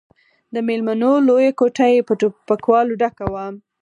د ميلمنو لويه کوټه يې په ټوپکوالو ډکه وه.